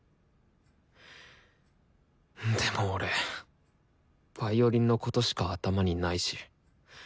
でも俺ヴァイオリンのことしか頭にないし。